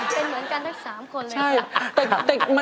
เป็นเหมือนกันทั้ง๓คนเลย